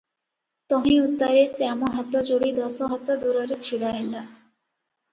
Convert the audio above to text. ତହିଁ ଉତ୍ତାରେ ଶ୍ୟାମ ହାତ ଯୋଡ଼ି ଦଶହାତ ଦୂରରେ ଛିଡ଼ାହେଲା ।